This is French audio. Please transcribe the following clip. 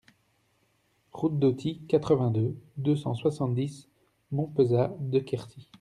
Route d'Auty, quatre-vingt-deux, deux cent soixante-dix Montpezat-de-Quercy